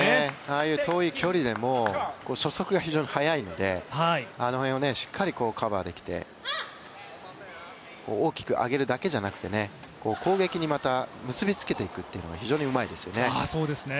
ああいう遠い距離でも初速が非常に速いのであの辺をしっかりカバーできて大きく上げるだけじゃなくて攻撃に結びつけていくのが非常にうまいですよね。